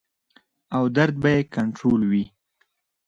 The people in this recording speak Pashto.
او درد به ئې کنټرول وي -